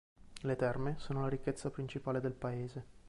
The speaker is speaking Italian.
Le terme sono la ricchezza principale del paese.